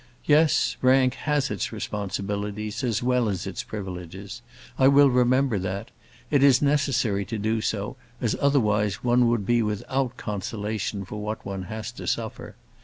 Yes, rank has its responsibilities as well as its privileges. I will remember that. It is necessary to do so, as otherwise one would be without consolation for what one has to suffer.